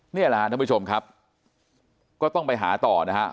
นี่แหละฮะท่านผู้ชมครับก็ต้องไปหาต่อนะฮะ